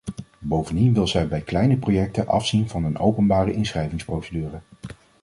Bovendien wil zij bij kleine projecten afzien van een openbare inschrijvingsprocedure.